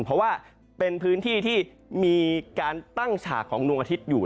เพราะว่าเป็นพื้นที่ที่มีการตั้งฉากของดวงอาทิตย์อยู่